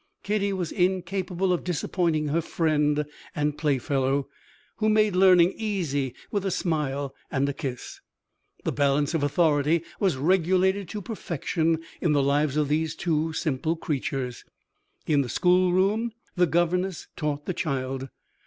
Kitty was incapable of disappointing her friend and playfellow, who made learning easy with a smile and a kiss. The balance of authority was regulated to perfection in the lives of these two simple creatures. In the schoolroom, the governess taught the child.